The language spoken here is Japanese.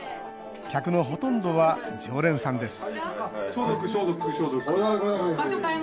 客のほとんどは常連さんです